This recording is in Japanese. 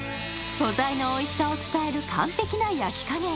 素材のおいしさを伝える完璧な焼き加減